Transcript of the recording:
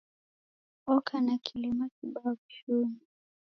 Oka na kilema kibaa w'ushunyi.